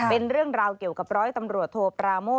เป็นเรื่องราวเกี่ยวกับร้อยตำรวจโทปราโม่